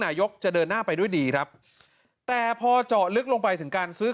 นายกจะเดินหน้าไปด้วยดีครับแต่พอเจาะลึกลงไปถึงการซื้อ